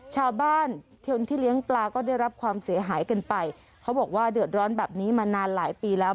ชาวบ้านคนที่เลี้ยงปลาก็ได้รับความเสียหายกันไปเขาบอกว่าเดือดร้อนแบบนี้มานานหลายปีแล้ว